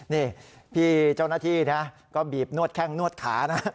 นี่พี่เจ้าหน้าที่นะก็บีบนวดแข้งนวดขานะ